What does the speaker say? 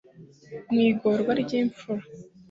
Mu igorwa ry'imfura